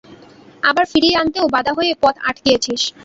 আবার ফিরিয়ে আনতেও বাদা হয়ে পথ আটকিয়েছিস।